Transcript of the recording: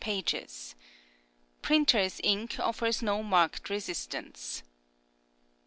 pages; printer's ink offers no marked re sistence.